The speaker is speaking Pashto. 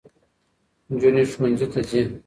نجونې ښوونځي ته ځي.